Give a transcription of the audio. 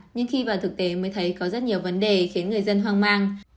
nhưng khi vào thực tế mới thấy có rất nhiều vấn đề khiến người dân hoang mang